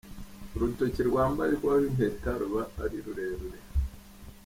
Urutoki rwambarwaho impeta ruba ari rurerure.